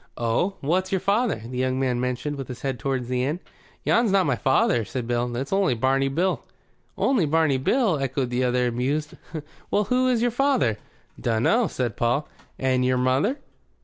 "Oh? What's your father?" The young man motioned with his head toward the inn. "Yon's not my father," said Paul. "It's only Barney Bill." "Only Barney Bill?" echoed the other, amused. "Well, who is your father?" "Dunno," said Paul. "And your mother?"